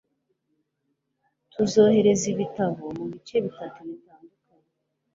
tuzohereza ibitabo mubice bitatu bitandukanye